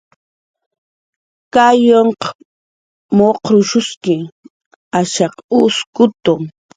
Kayunh muq'rshuski, ashaq uskutu